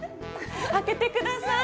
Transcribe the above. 開けてください。